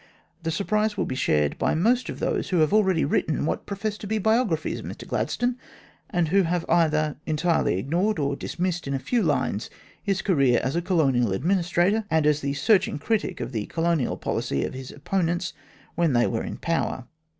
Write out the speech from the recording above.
The surprise will be shared by most of those who have already written what profess to be biographies of Mr Gladstone, and who have either entirely ignored, or dismissed in a few lines, his career as a Colonial Administrator and as the searching critic of the Colonial policy of his opponents when they were in power.